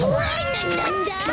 ななんだ？